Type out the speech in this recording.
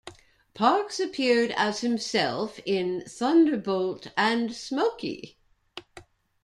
Parkes appeared as himself in Thunderbolt and Smokey!